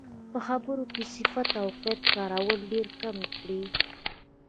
په خبرو کې صفت او قید کارول ډېرکم کړئ.